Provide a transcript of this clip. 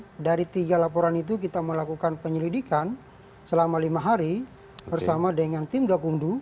nah dari tiga laporan itu kita melakukan penyelidikan selama lima hari bersama dengan tim gakumdu